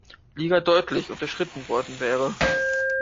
Liga deutlich unterschritten worden wäre.